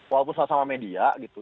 walaupun sama sama media gitu